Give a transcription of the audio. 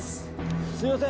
すいません